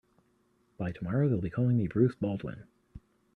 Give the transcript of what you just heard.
By tomorrow they'll be calling me Bruce Baldwin.